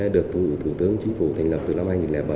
được thủ tướng chính phủ thành lập từ năm hai nghìn bảy